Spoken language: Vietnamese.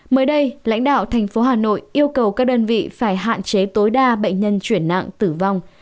mới đây lãnh đạo thành phố hà nội yêu cầu các đơn vị phải hạn chế tối đa bệnh nhân chuyển nặng tử vong